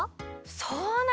そうなの！？